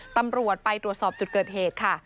ตำรวจไปตรวจสอบจุดเกิดเหตุค่ะ